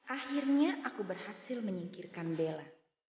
akhirnya aku berhasil menyingkirkan bella